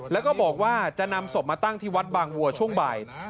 แล้วก็บอกว่าจะนำศพมาตั้งที่วัดบางวัวช่วงบ่าย